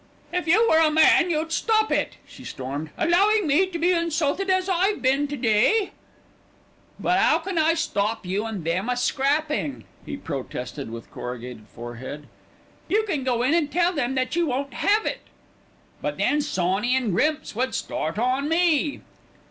"If you were a man you'd stop it," she stormed, "allowing me to be insulted as I've been to day." "But 'ow can I stop you an' them a scrappin'?" he protested, with corrugated forehead. "You can go in and tell them that you won't have it." "But then Sawney an' Grimps would start on me."